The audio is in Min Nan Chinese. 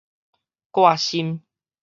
掛心